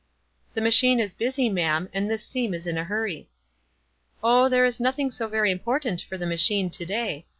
"The machine is busy, ma'am, and this seam is in a hurry." "Oh, there is nothing so very important for the machine to day.